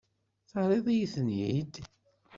Terriḍ-iyi-ten-id?